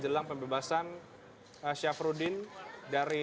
jelang pembebasan syafruddin dari